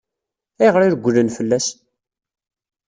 Ayɣer i regglen fell-as?